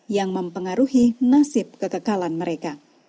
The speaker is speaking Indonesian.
yang mempengaruhi nasib kekekalan mereka